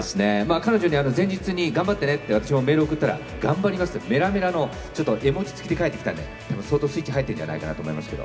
彼女に前日に頑張ってねってメールを送ったら頑張りますってメラメラの絵文字つきで返ってきたので、相当スイッチ入ってるんじゃないかなと思います。